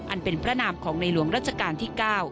อันเป็นพระนามของในหลวงรัชกาลที่๙